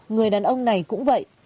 người đàn ông này cũng vậy